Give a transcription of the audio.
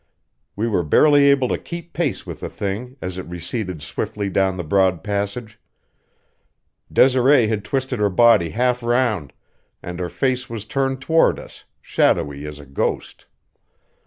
We were barely able to keep pace with the thing as it receded swiftly down the broad passage. Desiree had twisted her body half round, and her face was turned toward us, shadowy as a ghost.